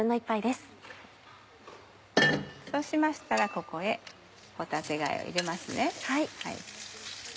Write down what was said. そうしましたらここへ帆立貝を入れます。